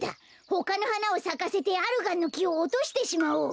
ほかのはなをさかせてアルガンのきをおとしてしまおう。